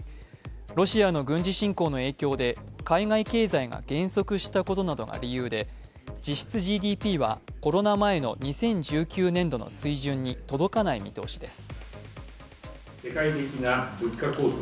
ロシアの軍事侵攻の影響で海外経済が減速したことなどが理由で実質ＧＤＰはコロナ前の２０１９年度の水準に届かない見通しです。